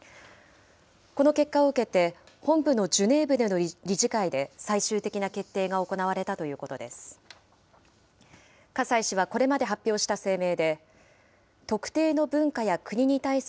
この結果を受けて、本部のジュネーブでの理事会で最終的な決定が行われたということです。